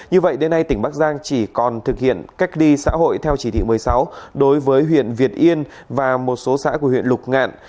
như vậy đến nay tỉnh bắc giang chỉ còn thực hiện cách ly xã hội theo chỉ thị một mươi sáu đối với huyện việt yên và một số xã của huyện lục ngạn